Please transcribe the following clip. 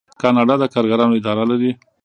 کاناډا د کارګرانو اداره لري.